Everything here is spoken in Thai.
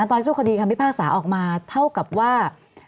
ตอนสู้คดีคำพิพากษาออกมาเท่ากับว่า